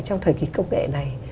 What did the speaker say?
trong thời kỳ công nghệ này